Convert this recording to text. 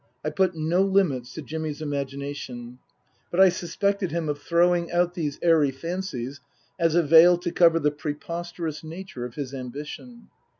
I put no limits to Jimmy's imagination ; but I suspected him of throwing out these airy fancies as a veil to cover the preposterous nature of his ambition.